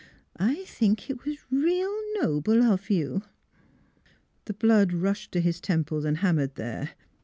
I think it was real noble of you." The blood rushed to his temples and ham mered there.